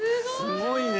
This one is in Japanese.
すごいね。